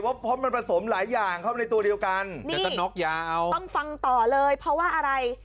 เพราะมันผสมหลายอย่างเข้าในตัวเดียวกันต้องฟังต่อเลยเพราะว่าอะไร